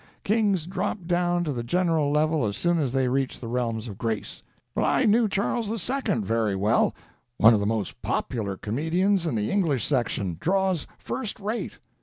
Kings drop down to the general level as soon as they reach the realms of grace. I knew Charles the Second very well—one of the most popular comedians in the English section—draws first rate.